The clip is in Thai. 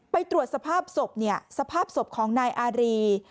ไปตรวจสภาพสบสภาพสบของนายอารี